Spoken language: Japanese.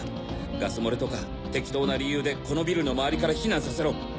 ガス漏れとか適当な理由でこのビルの周りから避難させろ。